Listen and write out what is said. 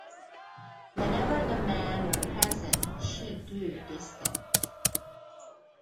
Whenever the men were present she grew distant.